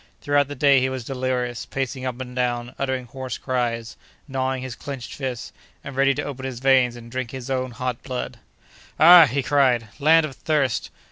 Throughout the day he was delirious, pacing up and down, uttering hoarse cries, gnawing his clinched fists, and ready to open his veins and drink his own hot blood. "Ah!" he cried, "land of thirst!